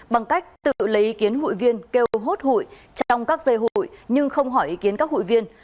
bằng cách tự lấy ý kiến hụi viên kêu hốt hụi trong các dây hụi nhưng không hỏi ý kiến các hội viên